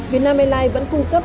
vietnam airlines vẫn cung cấp